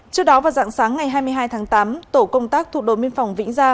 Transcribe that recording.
trước đó vào dạng sáng ngày hai mươi hai tháng tám tổ công tác thuộc đội biên phòng vĩnh gia